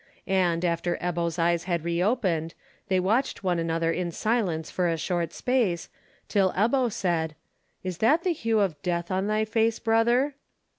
And, after Ebbo's eyes had re opened, they watched one another in silence for a short space, till Ebbo said: "Is that the hue of death on thy face, brother?"